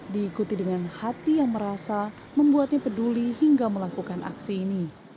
diikuti dengan hati yang merasa membuatnya peduli hingga melakukan aksi ini